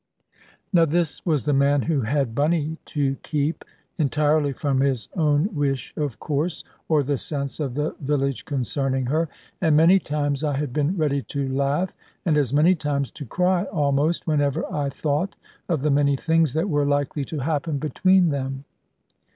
Now this was the man who had Bunny to keep, entirely from his own wish of course, or the sense of the village concerning her; and many times I had been ready to laugh, and as many times to cry almost, whenever I thought of the many things that were likely to happen between them.